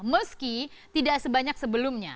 meski tidak sebanyak sebelumnya